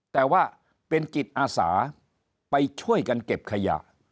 แต่ว่าเป็นจิตอาสาไปช่วยกันเก็บขยะ